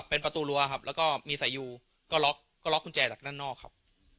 เป็นประตูรั้วครับแล้วก็มีสายยูก็ล็อกก็ล็อกกุญแจจากด้านนอกครับ